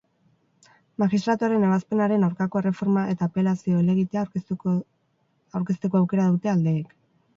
Magistratuaren ebazpenaren aurkako erreforma eta apelazio helegitea aurkezteko aukera dute aldeek.